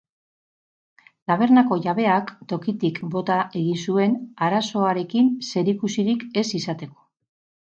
Tabernako jabeak tokitik bota egin zuen, arazoarekin zerikusirik ez izateko.